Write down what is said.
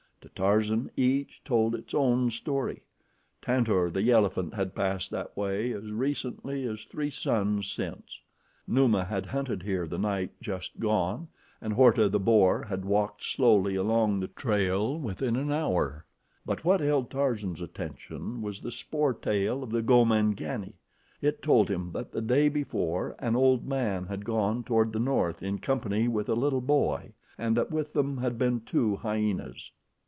To Tarzan each told its own story. Tantor, the elephant, had passed that way as recently as three suns since. Numa had hunted here the night just gone, and Horta, the boar, had walked slowly along the trail within an hour; but what held Tarzan's attention was the spoor tale of the Gomangani. It told him that the day before an old man had gone toward the north in company with a little boy, and that with them had been two hyenas.